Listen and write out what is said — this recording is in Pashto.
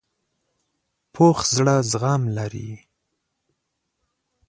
پوخ زړه زغم لري